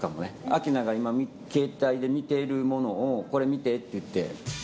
明奈が今、携帯で見ているものを、これ見てって言って。